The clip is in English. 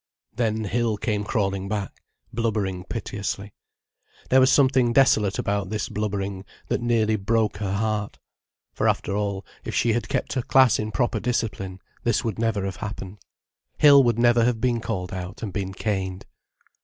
Then Hill came crawling back, blubbering piteously. There was something desolate about this blubbering that nearly broke her heart. For after all, if she had kept her class in proper discipline, this would never have happened, Hill would never have called out and been caned.